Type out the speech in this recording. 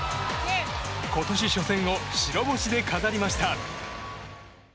今年初戦を白星で飾りました。